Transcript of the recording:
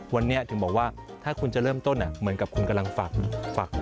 วันนี้ถึงบอกว่าถ้าคุณจะเริ่มต้นเหมือนกับคุณกำลังฝาก